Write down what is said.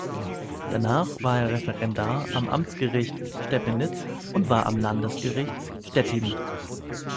Danach war er Referendar am Amtsgericht Stepenitz und am Landgericht Stettin.